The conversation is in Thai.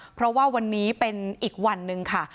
เพราะว่าวันนี้เป็นอีกวันหนึ่งค่ะ